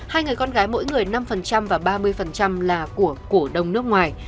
hai người con gái mỗi người năm và ba mươi là của cổ đông nước ngoài